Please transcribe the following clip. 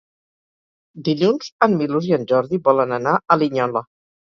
Dilluns en Milos i en Jordi volen anar a Linyola.